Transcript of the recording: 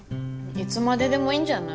いつまででもいいんじゃない？